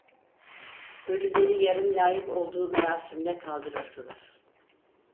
Ölüleri yarın layık olduğu merasimle kaldırırsınız…